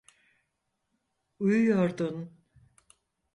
Uyuyordun.